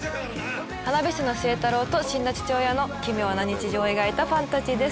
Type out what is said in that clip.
花火師の星太郎と死んだ父親の奇妙な日常を描いたファンタジーです。